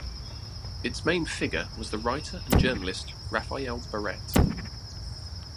Its main figure was the writer and journalist Rafael Barrett.